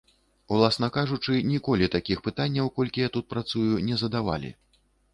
Уласна кажучы, ніколі такіх пытанняў, колькі я тут працую, не задавалі.